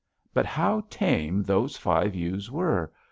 But how tame those five ewes were!